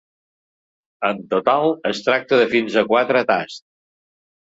En total, es tracta de fins a quatre tasts.